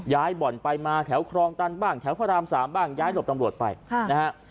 บ่อนไปมาแถวครองตันบ้างแถวพระราม๓บ้างย้ายหลบตำรวจไปนะฮะ